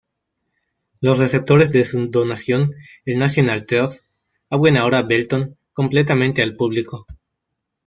Los receptores de su donación, el National Trust, abren ahora Belton completamente al público.